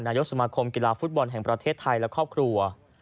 นายกสมาคมกีฬาฟุตบอลแห่งประเทศไทยและครอบครัว